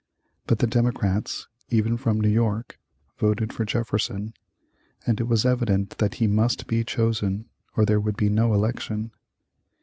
But the Democrats, even from New York, voted for Jefferson, and it was evident that he must be chosen or there would be no election.